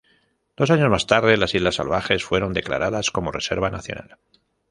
Dos años más tarde, las Islas Salvajes fueron declaradas como Reserva Nacional.